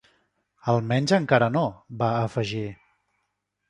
"Almenys encara no", va afegir.